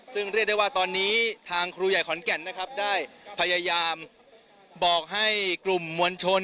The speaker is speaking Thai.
ซึ่งเรียกได้ว่าตอนนี้ทางครูใหญ่ขอนแก่นนะครับได้พยายามบอกให้กลุ่มมวลชน